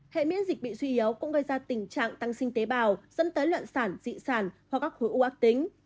hệ miễn dịch bị suy yếu cũng gây ra tình trạng tăng sinh tế bào dẫn tới luận sản dị sản hoặc các khối u ác tính